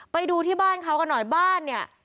ไปดูที่บ้านเขากันหน่อยบ้านเนี่ย